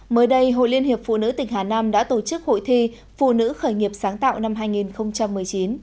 mới đây hội liên hiệp phụ nữ tỉnh hà nam đã tổ chức hội thi phụ nữ khởi nghiệp sáng tạo năm hai nghìn một mươi chín